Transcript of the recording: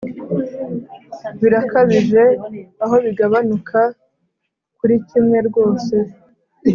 Birakabije aho bigabanuka kuri kimwe rwose